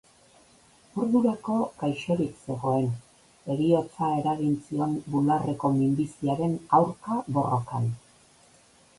Ordurako gaixorik zegoen, heriotza eragin zion bularreko minbiziaren aurka borrokan.